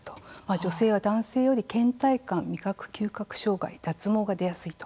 女性は男性より、けん怠感味覚・嗅覚障害、脱毛が出やすいと。